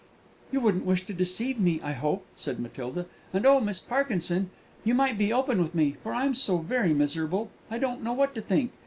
"You wouldn't wish to deceive me, I hope," said Matilda; "and oh, Miss Parkinson, you might be open with me, for I'm so very miserable! I don't know what to think.